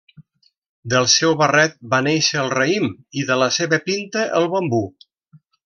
Del seu barret va néixer el raïm i de la seva pinta el bambú.